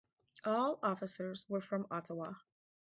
All officers were from Ottawa.